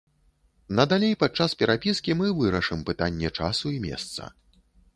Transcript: Надалей падчас перапіскі мы вырашым пытанне часу і месца.